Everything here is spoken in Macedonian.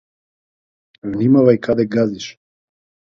Внимавај каде газиш!